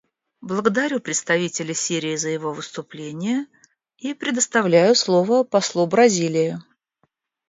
Благодарю представителя Сирии за его выступление и предоставляю слово послу Бразилии.